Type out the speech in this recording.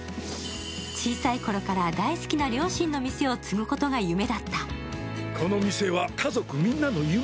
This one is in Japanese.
小さいころから大好きな両親の店を継ぐことが夢だった。